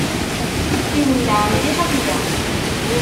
Iwenneɛ mliḥ akya.